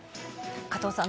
加藤さん